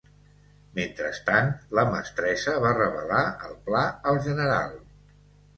Mentrestant, la mestressa va revelar el pla al general.